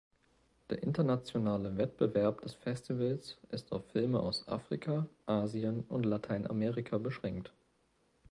Der internationale Wettbewerb des Festivals ist auf Filme aus Afrika, Asien und Lateinamerika beschränkt.